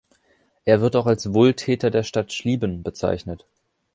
Er wird auch als "Wohltäter der Stadt Schlieben" bezeichnet.